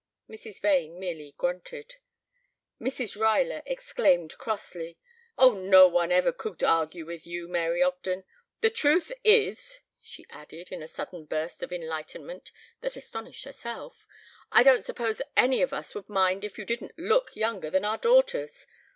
Mrs. Vane merely grunted. Mrs. Ruyler exclaimed crossly, "Oh, no one ever could argue with you, Mary Ogden. The truth is," she added, in a sudden burst of enlightenment that astonished herself, "I don't suppose any of us would mind if you didn't look younger than our daughters.